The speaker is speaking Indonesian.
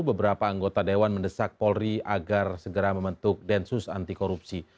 beberapa anggota dewan mendesak polri agar segera membentuk densus anti korupsi